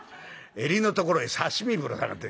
襟のところへ刺身ぶらさがって」。